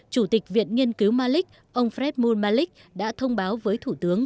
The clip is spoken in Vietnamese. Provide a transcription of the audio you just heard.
chủ tịch viện nghiên cứu malik ông fred mul malik đã thông báo với thủ tướng